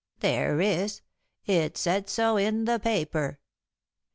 "There is. It said so in the paper."